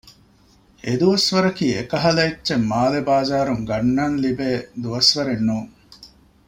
އެ ދުވަސްވަރަކީ އެކަހަލަ އެއްޗެހި މާލޭ ބާޒާރުން ގަންނާން ލިބޭ ދުވަސްވަރެއް ނޫން